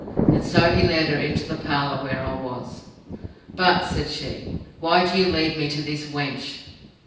And so he led her into the parlour where I was. But, said she, why do you lead me to this wench?